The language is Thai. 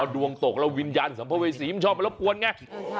ดวงตกแล้ววิญญาณสัมภเวษีมันชอบมารบกวนไง